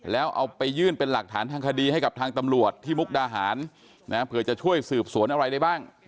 แล้วเอาไปยื่นเป็นหลักฐานทางคดีให้กับทางตำรวจที่มุกดาหารนะเผื่อจะช่วยสืบสวนอะไรได้บ้าง